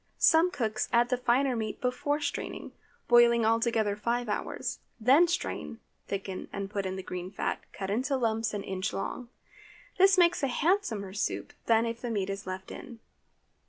Some cooks add the finer meat before straining, boiling all together five hours; then strain, thicken, and put in the green fat, cut into lumps an inch long. This makes a handsomer soup than if the meat is left in.